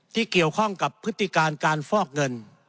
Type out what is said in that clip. ที่เกี่ยวข้องกับพฤติการการฟอกเงิน